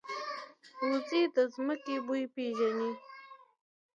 وزې د ځمکې بوی پېژني